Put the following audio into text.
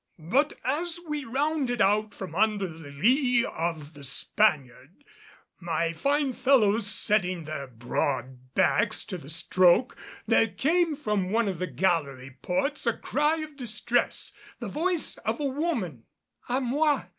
But, as we rounded out from under the lee of the Spaniard, my fine fellows setting their broad backs to the stroke, there came from one of the gallery ports a cry of distress, the voice of a woman, "A moi!